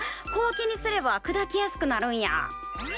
小分けにすればくだきやすくなるんや！